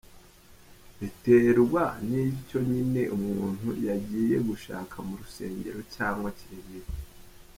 Biterwa n’icyo nyine umuntu yagiye gushaka mu rusengero cyangwa kiriziya.